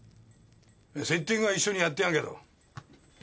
セッティングは一緒にやってやるけど。